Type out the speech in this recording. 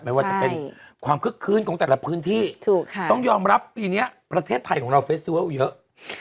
ไม่ว่าจะเป็นความคึกคืนของแต่ละพื้นที่ต้องยอมรับปีนี้ประเทศไทยของเราเฟสวิวัลเยอะ